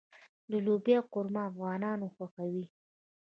د لوبیا قورمه افغانان خوښوي.